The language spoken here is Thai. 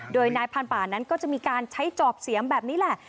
โดยนายพันธุ์ป่านั้นก็จะมีการใช้จอบเสียมแบบนี้แหละ